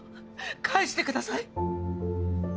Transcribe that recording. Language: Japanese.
返してください